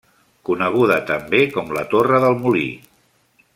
Coneguda també com la Torre del Molí.